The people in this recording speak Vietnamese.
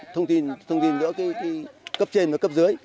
thông tin giữa cấp trên và cấp dưới